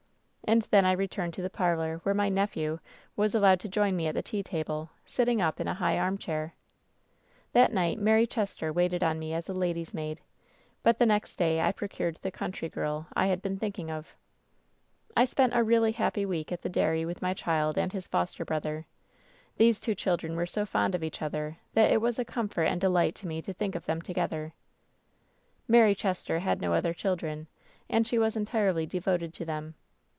"And then I returned to the parlor, where my 'nephew' was allowed to join me at the tea table, sitting up in a high armchair. WHEN SHADOWS DIE 219 'That night Mary Chester waited on me as lady's maid, but the next day I procured the country girl I had been thinking of. "I spent a really happy week at the dairy with my child and his foster brother. These two children were so fond of each other that it was a comfort and delight to me to think of them together. "Mary Chester had no other children, and she was entirely devoted to them.